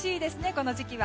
この時期は。